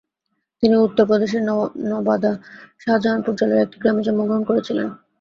তিনি উত্তরপ্রদেশের নবাদা শাহজাহানপুর জেলার একটি গ্রামে জন্মগ্রহণ করেছিলেন।